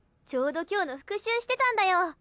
ちょうど今日の復習してたんだよ。